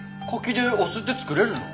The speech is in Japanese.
柿でお酢って作れるの？